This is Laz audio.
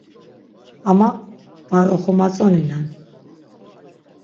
Ama var oxomatzoninen.